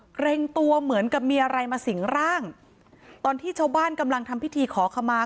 เกรงตัวเหมือนกับมีอะไรมาสิงร่างตอนที่ชาวบ้านกำลังทำพิธีขอขมา